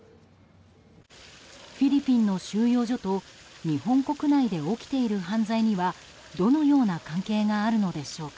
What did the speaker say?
フィリピンの収容所と日本国内で起きている犯罪にはどのような関係があるのでしょうか。